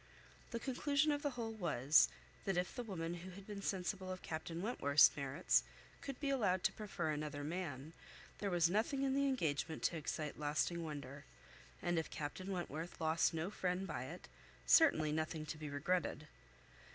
The conclusion of the whole was, that if the woman who had been sensible of Captain Wentworth's merits could be allowed to prefer another man, there was nothing in the engagement to excite lasting wonder; and if Captain Wentworth lost no friend by it, certainly nothing to be regretted.